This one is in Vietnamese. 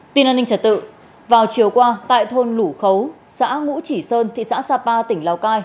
tin an ninh trật tự vào chiều qua tại thôn lũ khấu xã ngũ chỉ sơn thị xã sapa tỉnh lào cai